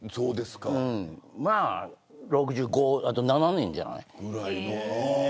まあ６５だからあと７年じゃない。